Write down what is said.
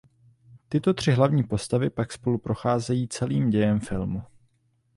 Tyto tři hlavní postavy pak spolu procházejí celým dějem filmu.